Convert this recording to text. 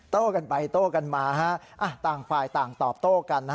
กันไปโต้กันมาต่างฝ่ายต่างตอบโต้กัน